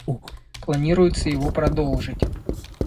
Планируется его продолжить.